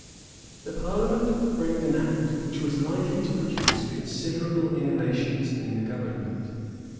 The parliament framed an act which was likely to produce considerable innovations in the government.